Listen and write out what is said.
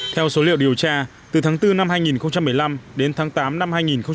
theo số liệu điều tra từ tháng bốn năm hai nghìn một mươi năm đến tháng tám năm hai nghìn một mươi chín